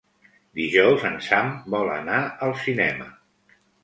Dijous en Sam vol anar al cinema.